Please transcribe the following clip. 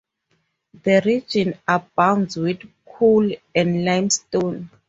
The region abounds with coal and limestone.